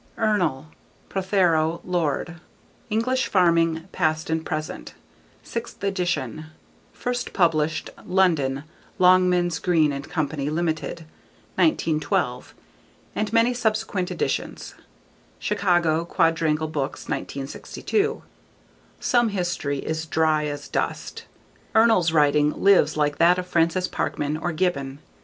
_ Ernle, (Prothero) Lord. English Farming Past and Present, 6th edition. First published London: Longmans, Green & Co., Ltd., 1912, and many subsequent editions. Chicago: Quadrangle Books, 1962. Some history is dry as dust. Ernle's writing lives like that of Francis Parkman or Gibbon.